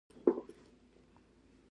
له شل کلنۍ مې پیلوټي پیل کړې ده.